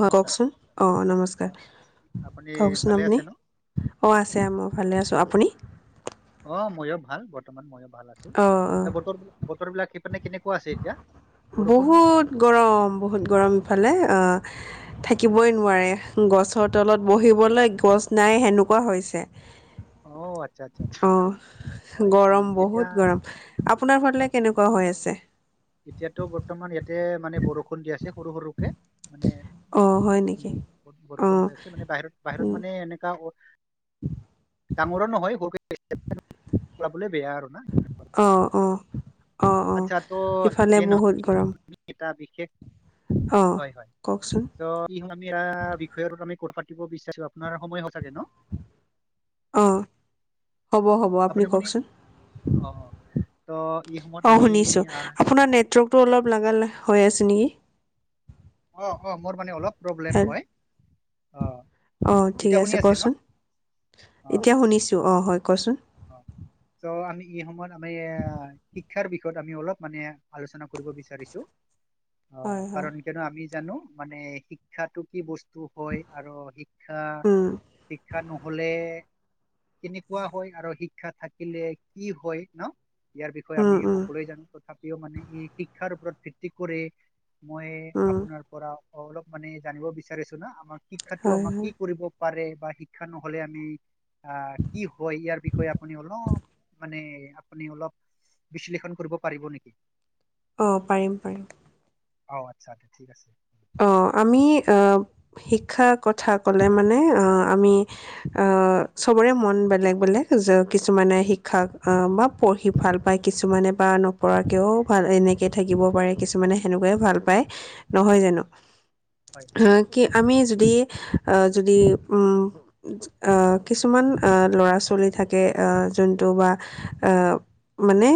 অ কওঁকচোন অ অ নমস্কাৰ আপুনি কওঁকচোন ভালে আপুনি আছে ন অঁ আছে মই ভালে আছোঁ আপুনি। অ ময়ো ভাল বৰ্তমান ময়ো ভাল আছো অঁ অঁ বতৰতো বতৰবিলাক সেইপিনে কেনেকুৱা আছে এতিয়া বৰষুণ বহুত গৰম বহুত গৰম ইফালে অ থাকিবই নোৱাৰে গছৰ অ তলত বহিবলে গছ নাই সেনেকুৱা হৈছে। অহ আচ্ছা আচ্ছা। অঁ হয় গৰম উম এতিয়া বহুত গৰম আপোনাৰ ফালে হয় হয়। কেনেকুৱা হৈ আছে। এতিয়াতো বৰ্তমান ইয়াতে মানে বৰষুণ দি আছে সৰু সৰুকে মানে অঁ হয় নেকি বৰষুণ বৰষুণ অঁ হৈ আছে মানে বাহিৰত বাহিৰত উম, মানে এনেকা ডাঙৰও নহয় সৰুকে দিছে উলাবলে বেয়া আৰু ন অঁ আচ্ছা ত। ফালে যিয়ে নহওক বহুত গৰম এটা বিশেষ অঁ হয় হয় কওকচোন চ আমি বিষয়তোত আমি কথা পাতিব বিচাৰো আপোনাৰ সময় হল ছাগে ন। আহ হ'ব হ'ব আপুনি কওকচোন অ অ ত' এই সময়ত অ আমি শুনিছো আহ, আপোনাৰ নেটৱৰ্কতটো অলপ হৈ আছে নেকি অ অ মোৰ মানে অলপ প্ৰব্লেম হয় অ অ ঠিক এতিয়া শুনি আছে ন কচোন অ এতিয়া শুনিছো অ হয়। কচোন অ চ' আমি এই সময়ত আমি এ শিক্ষাৰ বিষয়ত আমি অলপ মানে আলোচনা কৰিব বিচাৰিছো অ হয় হয় কাৰণ কিয়নো আমি জানো মানে শিক্ষাটো কি বস্তু হয় আৰু শিক্ষা উম শিক্ষা নহলে। কেনেকুৱা হয় আৰু শিক্ষা থাকিলে কি হয় ন ইয়াৰ বিষয়ে উম আমি উম সকলোৱে জানো তথাপিও মানে ই শিক্ষাৰ ওপৰত ভিত্তি কৰি মই উম আপোনাৰ পৰা অলপ মানে জানিব বিচাৰিছো ন আমাৰ শিক্ষাটো হয় আমাক কি হয় কৰিব। প বা শিক্ষা নহলে আমি আহ কি হয় ইয়াৰ বিষয় আপুনি অলপ মানে আপুনি অলপ বিশ্লেষণ কৰিব পাৰিব নেকি অ পাৰিম পাৰিম। অ আচ্ছা্া ঠিক আছে। অ আমি শিক্ষাৰ কথা ক'লে মানে আমি চবৰে মন বেলেগ বেলেগ কিছুমানে শিক্ষা বা পঢ়ি ভাল পায় কিছু কিছুমানে বা নপৰাকৈও ভাল এনেকৈ থাকিব পাৰে কিছুমানে সেনেকুৱাই ভাল পায় নহয় জানো অ হয় কি আমি যদি যদি উম আহ কিছুমান আহ ল'ৰা ছোৱালী থাকে আহ। যোনটো বা মানে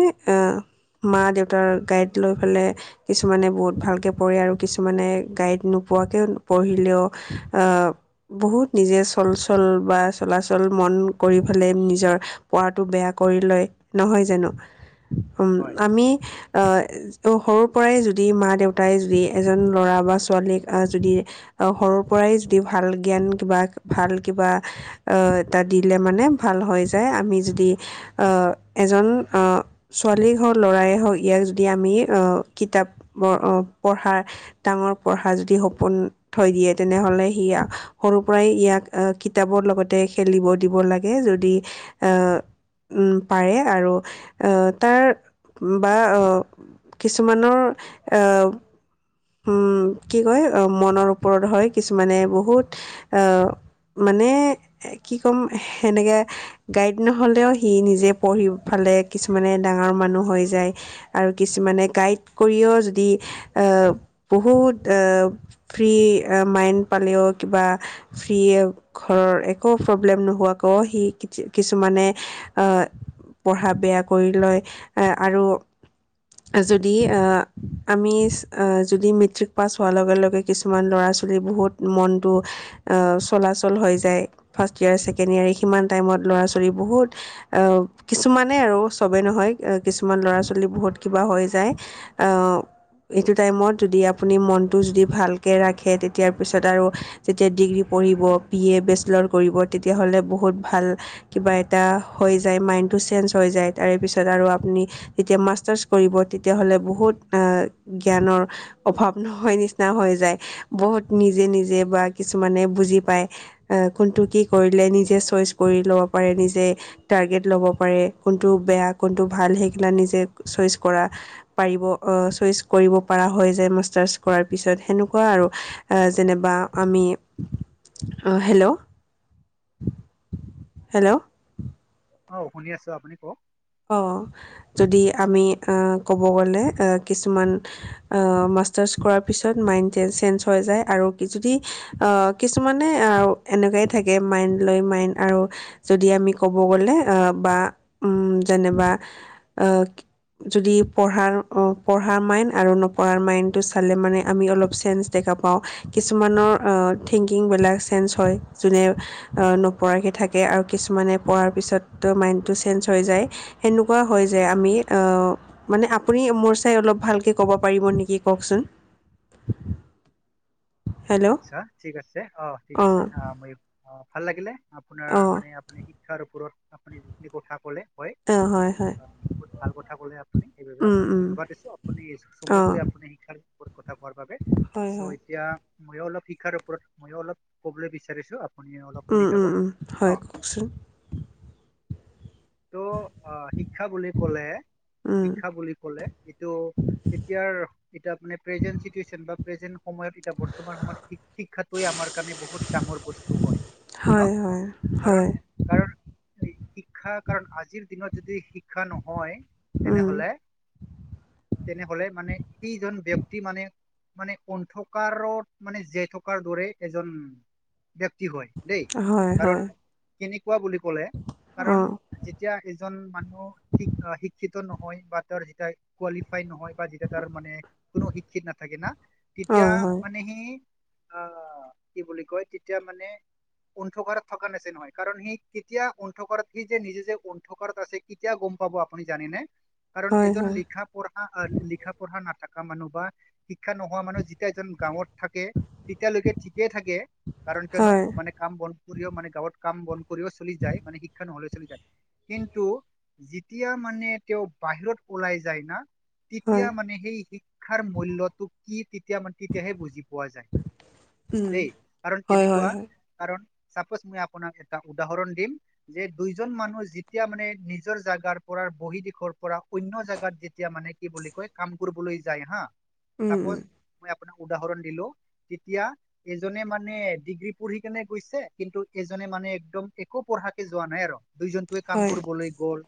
মা দেউতাৰ গাইড লৈ পেলাই কিছুমানে বহুত ভালকৈ পঢ় আৰু কিছুমানে গাইড নোপোৱাকৈ পঢ়িলেও বহুত নিজে চল চল বা চলাচল মন কৰি পেলাই নিজৰ পোৱাটো বেয়া কৰি লয় নহয় জানো হয় আমি অ সৰুৰ পৰাই যদি মা দেউতাই যদি এজন ল'ৰা বা ছোৱালীক যদি সৰুৰ পৰাই যদি ভাল জ্ঞান কিবা ভাল কিবা ম আ য এ হ ল'ই হওক ইয়াক যদি আমি কিতাপ পঢ়া ডাঙৰ পঢ়া যদি সপোন থৈ দিয়ে তেনেহলে সি সৰু পৰাই ইয়াক কিতাপৰ লগতে খেলিব দিব লাগে যদি এ উ পাৰে আৰু তাৰ। বা কিছুমানৰ কি কয় মনৰ ওপৰত হয় কিছুমানে বহুত। মানে কি ক'ম সেনেকে গাইড নহলেও সি নিজে পঢ়ি ফালে কিছুমানে ডাঙৰ মানুহ হৈ যায় আৰু কিছুমানে গাইড কৰিও যদি বহুত আহ ফ্ৰী মাইড পালেও কিবা ফ্ৰী একো প্ৰব্লেম নোহ সি কিছুমানে। পঢ়া বেয়া কৰি লয় এ আৰু যদি আহ আমি যদি মেট্ৰিক পাছ হোৱাৰ লগে লগে কিছুমান ল'ৰা ছোৱালী বহুত মনটো চলাচল হয় কৰি যায় ফাষ্ট ইয়েৰ ছেকেণ্ড ইয়েৰ কিছুমান আৰু চবেই নহয় কিছুমান ল'ৰা ছোৱালী বহুত কিবা হৈ যায় এইটো টাইমত যদি আপুনি মনটো যদি ভালকৈ ৰাখে তেতিয়াৰ পিছত আৰু যেতিয়া ডিগ্ৰী পঢ়িব পি এ বেচিলাৰ কৰিব তেতিয়া হলে বহুত ভাল কিবা এটা হৈ যায় মাইনটো চেনছ হৈ যায়। তাৰে পিছত আৰু আপুনি যেতিয়া মাষ্টাৰ্ছ কৰিব তেতিয়াহ'লে বহুত জ্ঞানৰ অভাৱ নহয় নিচিনা হৈ যায় বহুত নিজে নিজে বা কিছুমানে বুজি পায় কোনটো কি কৰিলে নিজে চইছ কৰি লব পাৰে নিজে টাৰগেট সব পাৰে কোনটো বেষ্ট কোনটো ভাল সেইকেইটা নিজে চইছ কৰা পাৰিব চইছ কৰিব পৰা হৈ যে মাষ্টাৰছ কৰা পিছত সেনেকোৱা আৰু আ যেনেবা আমি হেল্ল' হেল্ল' অ শুনি আছো আপুনি কওক অ যদি আমি ক'ব গ'লে কিছুমান মাষ্টাৰত পিছত মাইণ্ড চেঞজ হৈ যায় আৰু যদি কিছুমানে তেনেকেই থাকে মাইণ্ড লৈ মাইণ্ড আৰু যদি আমি ক'ব গ'লে যেনবা যদি পঢ়াৰ পঢ়াৰ মাইণ্ড আৰু নপঢ়াৰ মাইণ্ডটো চালে মানে আমি অলপ চেঞ্জ দেখা পাওঁ কিছুমানৰ থিংকিং বেলেগে চেঞ্জ হয় যোনে নপঢ়াকে থাকে থাকে আৰু কিছুমানে পঢ়াৰ পিছততো মাইণ্ডটো চেঞ্জ হৈ যায়। সেনেকুৱা হয় যে আমি মানে আপুনি মোৰ চাই অলপ ভালকে ক'ব পাৰিব নেকি ক কওকচোন হেল্ল' আচ্ছা ঠিক আছে অ ঠিক আছে অঁ অ মই অ ভাল লাগিলে আপোনাৰ অঁ মানে আপুনি শিক্ষাৰ ওপৰত আপুনি যিখিনি কথা ক'লে হয় অ হয় হয় বহুত ভাল কথা ক'লে আপুনি সেইবাবে আপোনাক ধন্যবাদ অঁ দিছো আপুনি চমুকৈ আপুনি শিক্ষাৰ ওপৰত কথা কোৱাৰ বাবে হয় চ' হয় এতিয়া ময়ো অলপ শিকাৰ ওৰত ময়ও অলপ কব বিচাৰিছো আপুনি অলপ ম শুনি যাব ন হয় কওকচোন ত' আহ শিক্ষা বুলি কলে উম, শিক্ষা বুলি কলে এই এতি এ প্ৰেজেন বা সময়ত তোমাৰ সমাৰ শিক্ষাটো আমাৰ কাৰণে বহুত ডাঙৰ বস্তু হয় ন হয় হয় কাৰণ হয় কাৰণ শিক্ষা কাৰণ আজিৰ দিনত যদি শি শিক্ষা নহয় উম, তেনেহ'লে তেনেহলে মানে ইজন ব্যক্তি মানে মানে অন্ধকাৰত মানে জীয়াই থকাৰ দৰে এজন ব্যক্তি হয় দেই হয় কাৰণ হয় কোৱা বুলি ক'লে অ', কাৰণ হয়, যেতিয়া এজন মানুহ শি শিক্ষিত নহয় বা তোৰ যেতিয়া কোৱালিফাই নহয় যেতিয়া তাৰ মানে কোনো শিক্ষিত নাথাকে না তেতিয়া হয়, মানে স আহ কি বুলি কয় তেতিয়া মানে অন্ধকাৰত থকা নিচিনা হয় কাৰণ সি কেতিয়া অন্ধকাৰত সি যে নিজে যে অন্ধকাৰত আছে কেতিয়া গম কেতিয়া গম পাব জানে নে হয়, শা মানুহ বা শিক্ষা নোহোৱা মানুহ যেতিয়া এজন গাঁৱত থাকে তেতিয়ালৈকে ঠিকে থাকে কাৰণ কিয়নো হয়, মানে কাম বধ কৰিও মানে গাঁৱত কাম বন কৰিব চলি য মানে শিক্ষা নহ'লে চল কিন্তু যেতিয়া মানে তেওঁ বাহিৰত ওলাই যায় না হয়, তেতিয়া হয়, মানে সেই শিক্ষাৰ মূল্যটো কি তেতিয়া মানে তেতিয়াহে বুজি পোৱা যায় উম, দেই কাৰণ হয়, হয়, তেনেকুৱা হয়, কাৰণ চাপজ মই আপোনাক এটা উদাহৰণ দিম যে দুইজন মানুহ যেতিয়া মানে নিজৰ জাগাৰ পৰা। বহি দিশৰ পৰা অ্য জাগাত যেতিয়া মানে কি বুলি কয় কাম কৰিবলৈ যায় হা। উম, চাপজ উম, মই আপোনাৰ উদাহৰণ দো তেতিয়া এজনে মানে ডিগ্ৰী পঢ়ি কেনে গৈছে কিন্তু এজনে মানে একদম একো পঢ়াকে যোৱা নাই আৰু দুইজনটোৱে কাম হয়, কৰিবলৈ গ'ল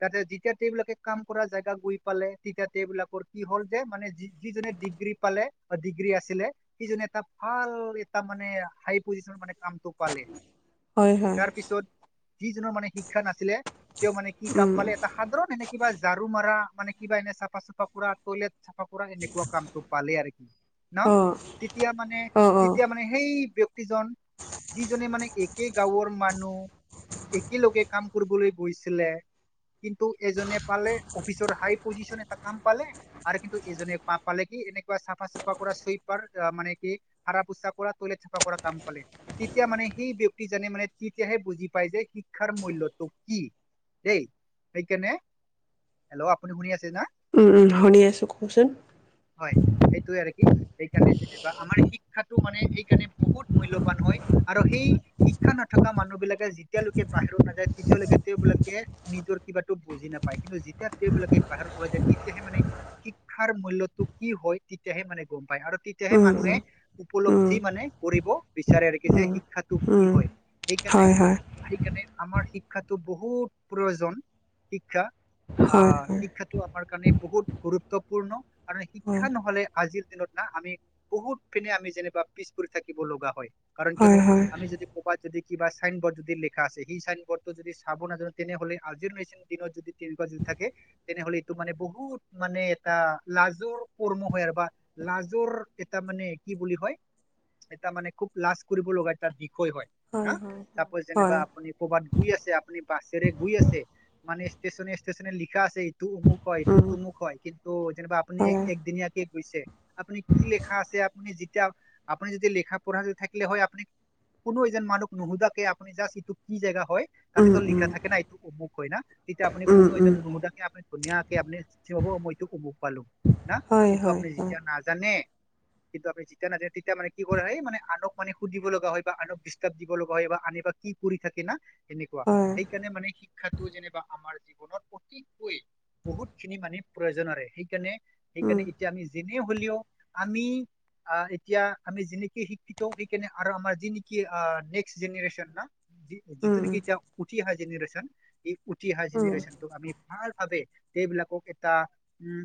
তাৰপাছত যেতিয়া বিলাকে কাম কৰা জেগা গৈ পালে তেতিয়া তেবলাকৰ কি হল যে মানে যিজনে দি। পালে ডিগ্ৰী আ স এটা ভাল এটা মানে হি মানে কামটো পালে হয় হয় তাৰ পিছত যিজনৰ মানে শিক্ষা নাছিলে তেওঁ মানে কি কাম উম, পালে এটা সাধাৰণ সেনে কিবা ঝাৰু মাৰা মানে কিবা এনে চাফা চুফা কৰা টইলেট চাফা কৰা এনেকুৱা কামটো পালেই আৰু কি ন অ', তেতিয়া মানে অ', অ', তেতিয়া মানে সেই। ব্যক্তিজন যিজনে মানে একে গাঁৱৰ মানুহ একেলগে কাম কৰিবলৈ গৈছিলে কিন্তু এজনে পালে অফিচৰ হাই পজিশনে এটা কাম পালে আৰু কিন্তু এজনে প পালে কি এনেকুৱা চাফা চাফা চোইপাৰ মানে কি হাৰা পোছা কৰা তইলেট চফা কৰা কাম পালে তেতিয়া মানে সেই ব্যক্তি মানে তেতিয়াহে বুজি পাই যে শিক্ষাৰ মূল্যটো কি দেই সেইকাৰণে হেল্ল' আপুনি শুনি আছে না উম উম শুনি আছো কওকচোন হয় সেইটোয়ে আৰু কি সেইকাৰণে যেনিবা আমাৰ শিক্ষাটো মানে সেইকাৰণে বহুত মূল্যবান হয় আৰু সেই শিক্ষা নথকা মানুহ বিলাকে যেতিয়ালৈকে বাহিৰত নাযায় তেতিয়ৈকে তেওঁবিলাকে নিজৰ কিবাতো বুজি নাপায় কিন্তু যেতিয়া তেওঁবিলাকে বাহিৰত পৰা যায় তেতিয়াহে মানে শিক্ষাৰ মূল্যতটো কি হয় তেতিয়াহে মানে। গম পায় আৰু তেতিয়াহে উম, মানুহে উম, উম, উপলব্ধি মানে কৰিব বিচাৰে আৰু যে উম, শিক্ষাটো কি উম, হয় সেইকাৰণে হয়, হয়, সেইকাৰণে আমাৰ শিক্ষাটো বহুত প্ৰয়োজন শিক্ষা। হয়, আহ হয়, শিক্ষাটো আমাৰ কাৰণে বহুত গুৰুত্বপূৰ্ণ আৰু শিক্ষা হয়, নহলে আজিৰ না আমি বহুত পিনে আমি যেনিবা পিছ পৰি থাকিব লগা হয় কাৰণ হয়, কিয়নো হয়, আমি যদি যদি কিবা চাইন বৰ্ড যদি লিখা আছে সেই চাইন বৰ্ডটো যদি চাব নাজানো তেনেহলে আজিৰ নিচিনা দিনত যদি যদি থাকে তেনেহ'লে এইটো মানে বহুত মানে এটা লাজৰ কৰ্ম হয় আৰু বা লাজৰ এটা মানে কি বুলি হয় এটা মানে খুব লাজ কৰিব লগা এটা দিশ হয় হয় না যেনিবা হয়, আপুনি কবাত। গৈ আছে আপুনি বাছেৰে গৈ আছে মানে ষ্টেচনে ষ্টেচনে লিখা আছে ইটো অমুক হয় ইটো উম, তমুক হয় কিন্তু যেনিবা আপুনি হয়, একদিনীয়াকে গৈছে আপুনি কি লেখা আছে আপুনি যেতিয়া আপুনি যেতিয়া লেখা পঢ়া থাকিলে হয় আপুনি। কোনো এজন মানুহ নোশোধাকে আপুনি জাষ্ট এইটো কি জেগা হয় উম, তাতেতো উম, লিখা থাকে না এইটো অমুক হয় না তেতিয়া আপুনি উম, কোনো উম, এজন নুশুদাকে আপুনি ধুনীয়াকে আপুনি। কি হ'ব মই এইটো অমুক পালো হয় হয় হয় নে। কিন্তু আমি যেতিয়া নাজানে তেতিয়া মানে কি কৰে হয় মানে আনক মানে সুধিব লগা হয় বা আনক ডিষ্টাৰ্ব দিব লগা হয় বা আনে কি কৰি থাকে মা সেনেকুৱা হয়, সেইকাৰণে মানে শিক্ষা যেনিবা আমাৰ অতিকৈ বহুত খিনি মানে প্ৰয়োজন সেইকাৰণে উম, সেইকাৰণে এতিয়া আমি। এনেই হলেও আমি এতিয়া আমি যি নিকী শিক্ষিত সেই আমাৰ যি নিকি নেক্সট জেনেৰেশ্বন না উম, যিটো নেকি উম, এতিয়া উঠি অহা জেনেৰেশ্যন এই উঠি অহা উম, জেনেৰেশ্যনটো আমি ভাল ভাবে। এইবিলাকক এটা উম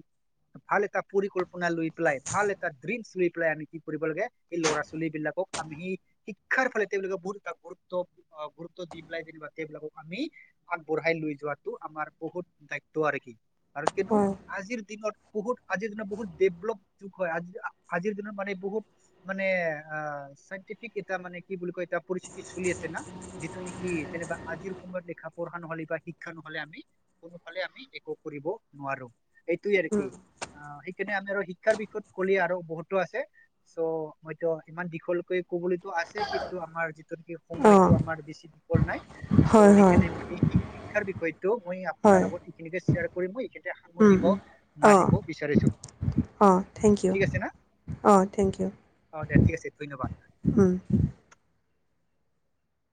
ভাল এটা পৰিকল্পনা আপোনা লৈ পেলাই ভাল এটা ড্ৰিমছ লৈ পেলাই আমি কি কৰিব লাগে এই ল'ৰা ছোৱালী বিলাকক আমি সি শি শিক্ষাৰ ফালে তেওঁলোকে বহুত এটা গুৰুত্ব গুৰুত্ব দি পেলাই যেনিবা সেইবিলাকক আমি আগবঢ়াই লৈ যোৱা ্ আমাৰ বহুত দায়িত্ব আৰু আৰু কেনো হয়, আজিৰ দিনত বহুত আজিৰ দিনত বহুত ডেভলপ যোগ হয় আজিৰ দিনত মানে বহুত মানে আ চাইণ্টিফিক এটা মানে কি বুলি কয় এটা পৰিস্থিতি চলি আছে না যিটো নেকি যেনা আজিৰ সময়ত লিখা পঢ়া নহ'লে বা শিক্ষা কোনো ফালে আমি একো কৰিব নোৱাৰো এইটো আৰু কি উম, সেইকাৰণে আমি আৰু শিক্ষাৰ বিষয়ত কলে আৰু বহুতো আছে চ' মইতো ইমান দীঘলকৈ কবলৈ আছে কিন্তু আমাৰ যি অ', সময়টো আমাৰ বেছি বিপল নাই চ' হয়, হয়, সেইকাৰণে মই এই শিক্ষাৰ বিষয় মই আপোনাৰ হয়, লগত এইখিনিকে শ্বেয়াৰ কৰি মই এইখিনতে উম, সামৰি উম, ম মাৰিব বিচাৰিছো অ থেংক ইউ ঠিক আছে না অ থেংক ইউ অ দে ঠিক আছে ধন্যবাদ উম